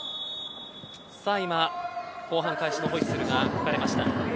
今、後半開始のホイッスルが鳴りました。